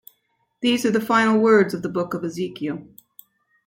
These are the final words of the Book of Ezekiel.